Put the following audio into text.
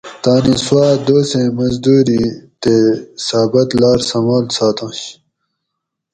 تانی سوا دوسیں مزدوری تی ثابت لار سنبال ساتونش